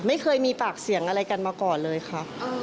ไม่เคยมีปากเสียงอะไรกันมาก่อนเลยค่ะ